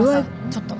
ちょっと。